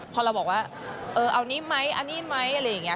พอเราบอกว่าเออเอานี้ไหมอันนี้ไหมอะไรอย่างนี้